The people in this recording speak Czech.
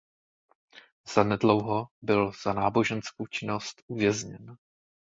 Zanedlouho byl za náboženskou činnost uvězněn.